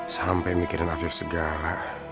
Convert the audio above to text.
sampai mikirin om afib segala